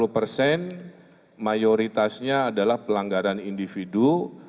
dua puluh persen mayoritasnya adalah pelanggaran individu